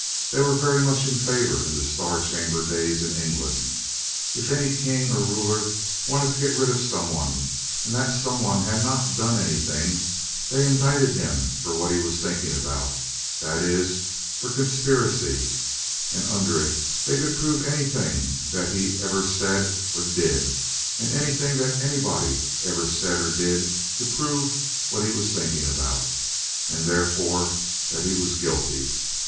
They were very much in favor in the Star Chamber days in England. If any king or ruler wanted to get rid of someone, and that someone had not done anything, they indicted him for what he was thinking about; that is, for conspiracy; and under it they could prove anything that he ever said or did, and anything that anybody else ever said or did to prove what he was thinking about; and therefore that he was guilty.